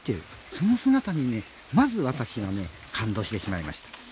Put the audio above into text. その姿にまず私が感動してしまいました。